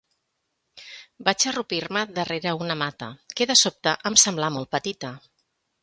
Vaig arrupir-me darrere una mata, que de sobte em semblà molt petita